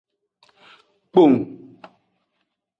Kpong.